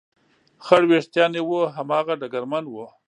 خړ وېښتان یې و، هماغه ډګرمن و.